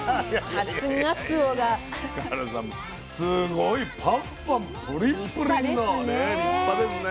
すごいパンパンブリッブリの立派ですね。